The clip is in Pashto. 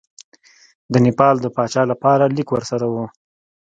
د نیپال د پاچا لپاره لیک ورسره وو.